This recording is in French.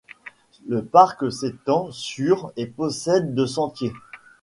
Le parc s'étend sur et possède de sentiers.